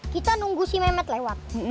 kita nunggu si memek lewat